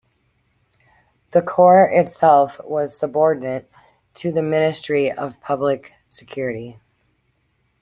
The corps itself was subordinate to the Ministry of Public Security.